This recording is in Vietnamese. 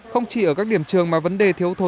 không chỉ ở các điểm trường mà vấn đề thiếu thố